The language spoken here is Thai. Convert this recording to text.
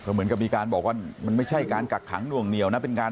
เหมือนกับมีการบอกว่ามันไม่ใช่การกักขังหน่วงเหนียวนะเป็นการ